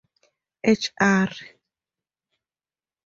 Hr.